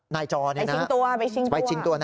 นายจอไปชิงตัว